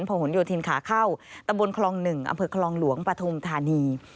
หนโยธินขาเข้าตำบลคลอง๑อำเภอคลองหลวงปฐุมธานี